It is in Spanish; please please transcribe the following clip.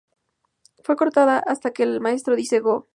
Fue cortada hasta que el Maestro dice: "Go".